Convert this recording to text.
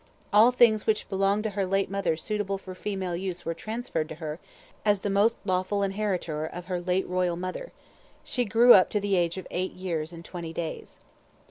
All things which belonged to her late mother suitable for female use were transferred to her as the most lawful inheritor of her late royal mother; She grew up to the age of 8 years & 20 days.